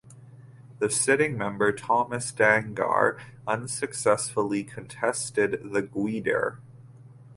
The sitting member Thomas Dangar unsuccessfully contested The Gwydir.